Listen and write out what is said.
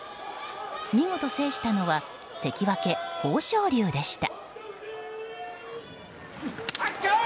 見事制したのは関脇・豊昇龍でした。